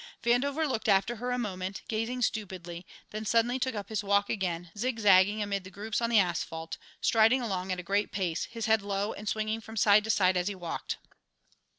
Vandover looked after her a moment, gazing stupidly, then suddenly took up his walk again, zigzagging amid the groups on the asphalt, striding along at a great pace, his head low and swinging from side to side as he walked.